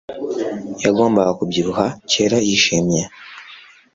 yagombaga kubyibuha, cyera, yishimye